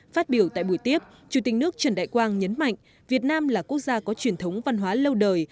phát biểu tại buổi tiếp chủ tịch nước trần đại quang nhấn mạnh việt nam là quốc gia có truyền thống văn hóa lâu đời